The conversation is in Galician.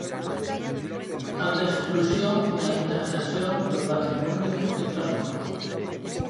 A destrución e a integración do patrimonio arquitectónico.